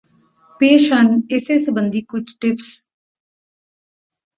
ਪੇਸ਼ ਹਨ ਇਸੇ ਸਬੰਧੀ ਕੁਝ ਟਿੱਪਸ